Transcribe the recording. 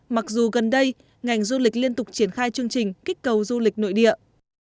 mặc dù gần đây ngành du lịch liên tục triển khai chương trình kích cầu du lịch nội địa